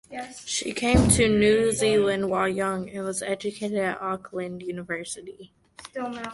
She came to New Zealand while young, and was educated at Auckland University.